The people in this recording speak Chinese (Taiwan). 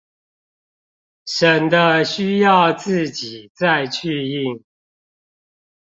省得需要自己再去印